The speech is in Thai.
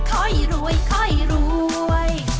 ข้อยรวยข้อยรวย